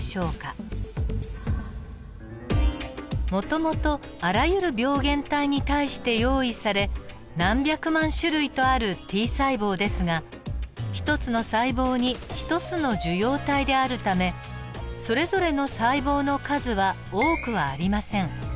もともとあらゆる病原体に対して用意され何百万種類とあるＴ細胞ですが１つの細胞に１つの受容体であるためそれぞれの細胞の数は多くはありません。